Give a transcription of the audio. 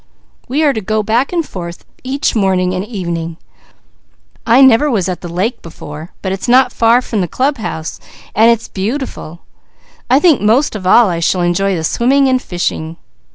We are to go back and forth each morning and evening. I never was at the lake before, but it's not far from the club house and it's beautiful. I think most of all I shall enjoy the swimming and fishing."